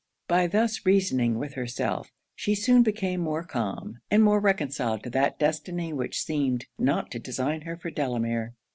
By thus reasoning with herself, she soon became more calm, and more reconciled to that destiny which seemed not to design her for Delamere.